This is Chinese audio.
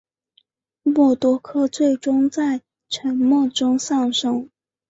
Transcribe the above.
默多克最终在沉没中丧生。